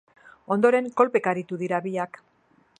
Ondoren, kolpeka aritu dira biak.